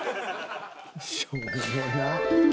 しょうもなっ。